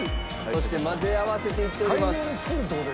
そして混ぜ合わせていっております。